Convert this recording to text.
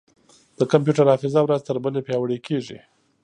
د کمپیوټر حافظه ورځ تر بلې پیاوړې کېږي.